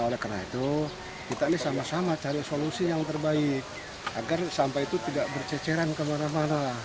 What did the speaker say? oleh karena itu kita ini sama sama cari solusi yang terbaik agar sampah itu tidak berceceran kemana mana